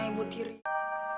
kasian ya reva